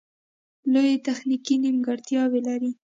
لویې تخنیکې نیمګړتیاوې لري